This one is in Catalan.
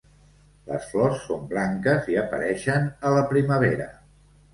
Les flors són blanques i apareixen a la primavera.